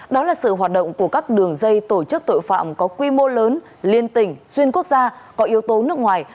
đó là sự hoạt động của các đường dây tổ chức tội phạm có quy mô lớn liên tỉnh xuyên quốc gia có yếu tố nước ngoài